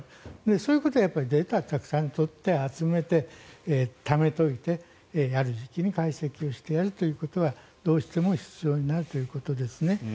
そういうことはデータをたくさん取って集めてためておいて、ある時期に解析をしてやるということはどうしても必要になるということです。